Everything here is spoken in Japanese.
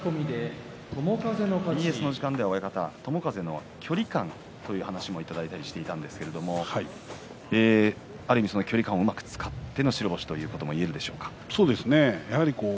ＢＳの時間では、友風の距離感という話もいただいたりしていたんですがある意味、その距離感をうまく使っての白星ともそうですね。